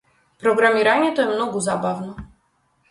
Програмирањето е многу забавно.